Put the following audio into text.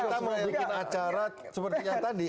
kita mau bikin acara seperti yang tadi